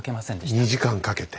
２時間かけて？